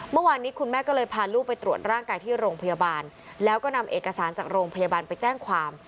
เมื่อวานนี้คุณแม่ก็เลยพาลูกไปตรวจร่างกายที่โรงพยาบาลแล้วก็นำเอกสารจากโรงพยาบาลไปแจ้งความ